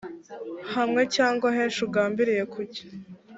hamwe cyangwa henshi ugambiriye kujya